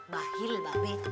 bahil mbak be